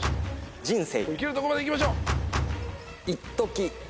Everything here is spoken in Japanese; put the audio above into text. いけるとこまでいきましょう。